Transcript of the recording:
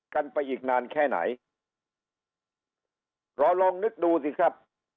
กันไปอีกนานแค่ไหนรอลองนึกดูสิครับ